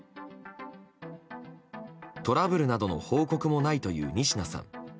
トラブルなどの報告もないという仁科さん。